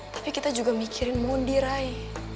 tapi kita juga mikirin mondi rai